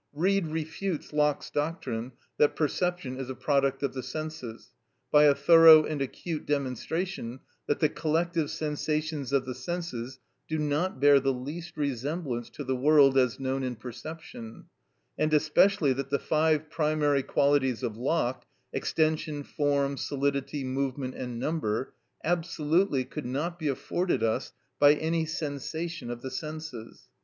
Reid refutes Locke's doctrine that perception is a product of the senses, by a thorough and acute demonstration that the collective sensations of the senses do not bear the least resemblance to the world as known in perception, and especially that the five primary qualities of Locke (extension, form, solidity, movement, and number) absolutely could not be afforded us by any sensation of the senses.